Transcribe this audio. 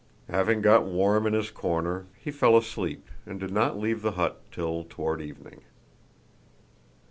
Having got warm in his corner, he fell asleep and did not leave the hut till toward evening.